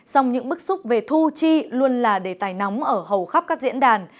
song những bức xúc về thu chi luôn là đề tài nóng ở hầu khắp các diễn đàn